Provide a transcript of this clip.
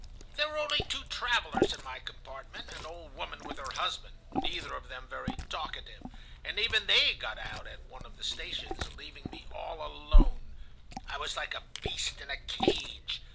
"There were only two travellers in my compartment: an old woman with her husband, neither of them very talkative; and even they got out at one of the stations, leaving me all alone. I was like a beast in a cage.